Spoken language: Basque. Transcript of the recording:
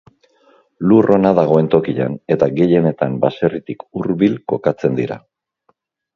Lur ona dagoen tokian eta gehienetan baserritik hurbil kokatzen dira.